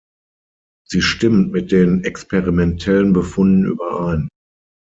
Sie stimmt mit den experimentellen Befunden überein.